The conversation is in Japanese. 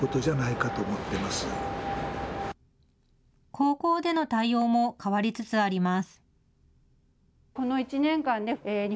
高校での対応も変わりつつあります。